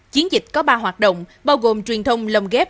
chiến dịch có ba hoạt động bao gồm truyền thông lồng ghép